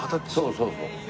そうそうそう。